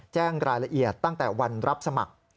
แจ้งรายละเอียดตั้งแต่วันรับสมัคร